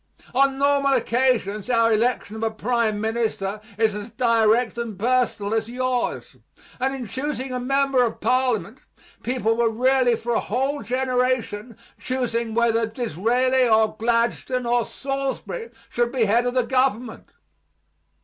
On normal occasions our election of a prime minister is as direct and personal as yours, and in choosing a member of Parliament people were really for a whole generation choosing whether Disraeli or Gladstone or Salisbury should be head of the government.